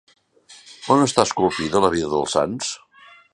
On està esculpida la vida dels Sants?